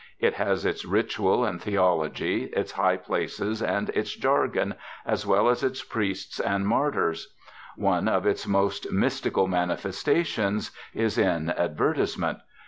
It has its ritual and theology, its high places and its jargon, as well as its priests and martyrs. One of its more mystical manifestations is in advertisement.